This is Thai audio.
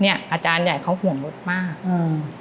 อาจารย์ใหญ่เขาห่วงรถมากอืม